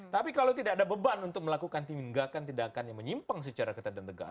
tapi kalau tidak ada beban untuk melakukan tindakan tindakan yang menyimpang secara ketat dan tegak